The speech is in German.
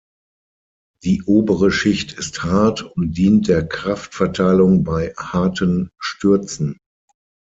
Die obere Schicht ist hart und dient der Kraftverteilung bei harten Stürzen.